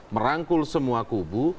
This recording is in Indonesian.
merangkul semua kubu